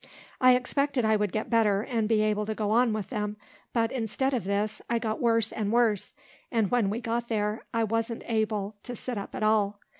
I expected I would get better, and be able to go on with them, but, instead of this, I got worse and worse; and when we got there, I wan't able to sit up at all.